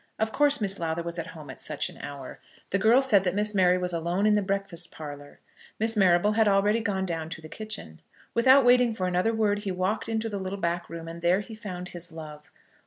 Of course Miss Lowther was at home at such an hour. The girl said that Miss Mary was alone in the breakfast parlour. Miss Marrable had already gone down to the kitchen. Without waiting for another word, he walked into the little back room, and there he found his love.